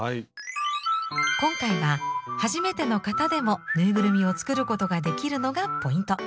今回は初めての方でもぬいぐるみを作ることができるのがポイント。